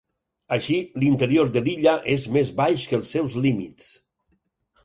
Així, l'interior de l'illa és més baix que els seus límits.